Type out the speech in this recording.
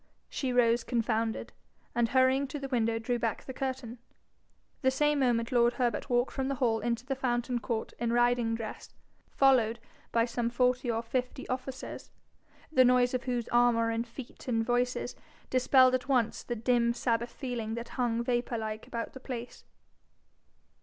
She rose confounded, and hurrying to the window drew back the curtain. The same moment lord Herbert walked from the hall into the fountain court in riding dress, followed by some forty or fifty officers, the noise of whose armour and feet and voices dispelled at once the dim Sabbath feeling that hung vapour like about the place.